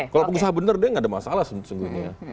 kalau pengusaha benar dia nggak ada masalah sesungguhnya